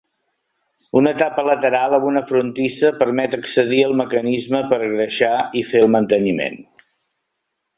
Una tapa lateral amb una frontissa permet accedir al mecanisme per greixar i fer el manteniment.